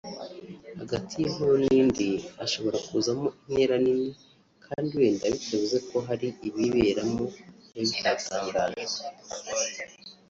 Hagati y’inkuru n’indi hashobora kuzamo intera nini kandi wenda bitavuze ko hari ibiyiberamo biba bitatangajwe